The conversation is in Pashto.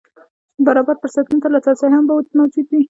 برابر فرصتونو ته لاسرسی هم باید موجود وي.